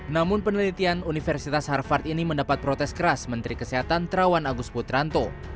namun penelitian universitas harvard ini mendapat protes keras menteri kesehatan terawan agus putranto